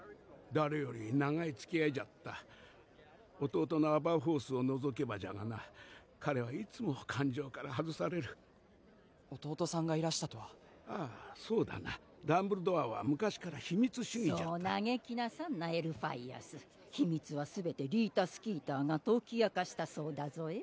誰より長いつきあいじゃった弟のアバーフォースを除けばじゃがな彼はいつも勘定から外される弟さんがいらしたとはああそうだなダンブルドアは昔から秘密主義じゃったそう嘆きなさんなエルファイアス秘密は全てリータ・スキーターが解き明かしたそうだぞぇ